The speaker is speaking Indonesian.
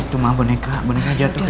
itu maaf boneka boneka jatuh